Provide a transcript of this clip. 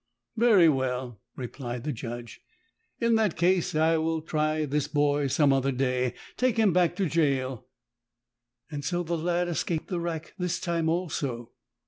"Very well," replied the judge; "in that case I will try this boy some other day. Take him back to gaol." So the lad escaped the rack this time also.